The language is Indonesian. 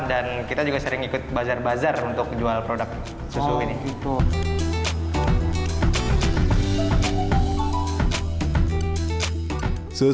dan kita juga sering ikut bazar bazar untuk jual produk susu ini